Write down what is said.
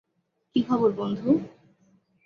কি খবর বন্ধু?